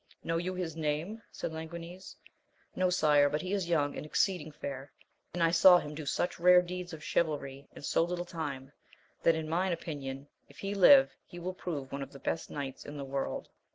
Know you his name ? said Languines. — No, sire ; but he is young, and exceeding fair, and I saw him do such rare deeds of chivalry in so little time, that in mine opinion, if he live, he will prove one of the best knights in the world.